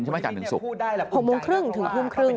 ใช่มั้ยจันทร์ถึงศุกร์